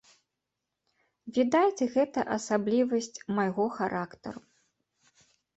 Відаць, гэта асаблівасць майго характару.